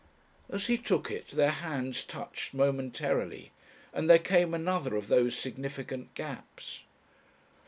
As he took it their hands touched momentarily ... and there came another of those significant gaps.